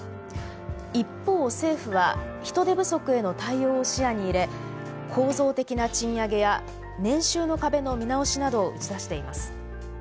一方、政府は人手不足への対応を視野に入れ構造的な賃上げや「年収の壁」の見直しなどを打ち出しています。